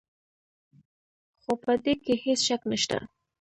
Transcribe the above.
خو په دې کې هېڅ شک نشته.